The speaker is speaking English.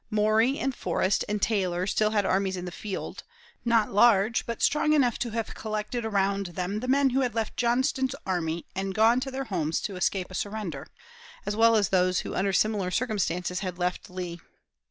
Maury and Forrest and Taylor still had armies in the field not large, but strong enough to have collected around them the men who had left Johnston's army and gone to their homes to escape a surrender, as well as those who under similar circumstances had left Lee.